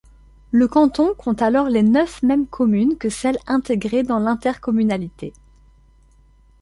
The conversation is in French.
Le canton compte alors les neuf mêmes communes que celles intégrées dans l'intercommunalité.